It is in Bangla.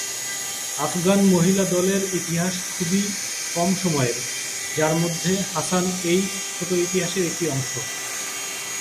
আফগান মহিলা দলের ইতিহাস খুবই কম সময়ের, যার মধ্যে হাসান এই ছোট ইতিহাসের একটি অংশ।